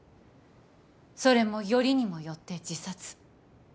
それもよりにもよって自殺。